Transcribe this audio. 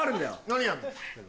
何やんの？